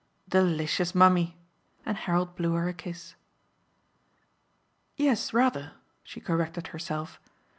"Delicious mummy!" And Harold blew her a kiss. "Yes, rather" she corrected herself.